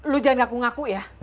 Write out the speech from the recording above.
lu jangan gak aku ngaku ya